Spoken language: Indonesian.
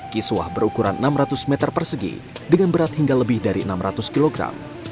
kiswah berukuran enam ratus meter persegi dengan berat hingga lebih dari enam ratus kilogram